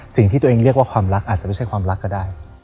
สิ่งที่ตัวเองเรียกว่าความรักอาจจะไม่ใช่ความรักก็ได้